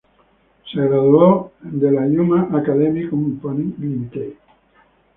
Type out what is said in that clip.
Se graduó de la Human Academy Co.,Ltd.